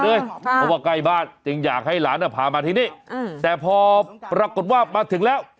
เพราะว่าใกล้บ้านจึงอยากให้หลานพามาที่นี่แต่พอปรากฏว่ามาถึงแล้ว